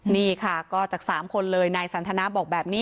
นี่ค่ะก็จาก๓คนเลยนายสันทนาบอกแบบนี้